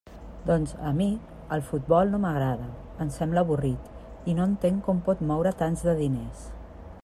Doncs, a mi, el futbol no m'agrada; em sembla avorrit, i no entenc com pot moure tants de diners.